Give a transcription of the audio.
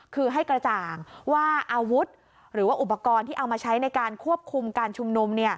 คือให้กระจ่างว่าอาวุธหรือว่าอุปกรณ์ที่เอามาใช้ในการควบคุมการชุมนุม